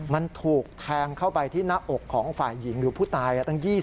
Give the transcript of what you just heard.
มันถูกแทงเข้าไปที่หน้าอกของฝ่ายหญิงหรือผู้ตายตั้ง๒๐